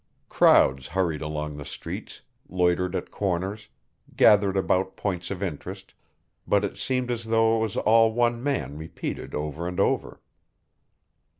Crowds hurried along the streets, loitered at corners, gathered about points of interest, but it seemed as though it was all one man repeated over and over.